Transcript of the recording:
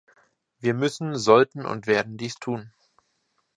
Wir müssen, sollten und werden dies tun.